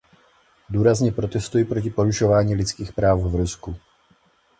Důrazně protestuji proti porušování lidských práv v Rusku.